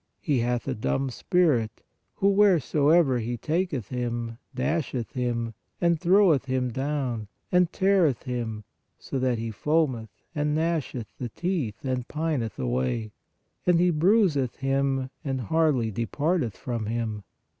He hath a dumb spirit, who, wheresoever he taketh him, dasheth him, and throweth him down, and teareth him, so that he foameth, and gnasheth the teeth and pineth away; and he bruiseth him and hardly de parteth from him.